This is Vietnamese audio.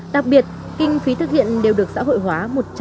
đặc biệt kinh phí thực hiện đều được xã hội hóa một trăm linh